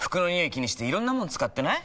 気にしていろんなもの使ってない？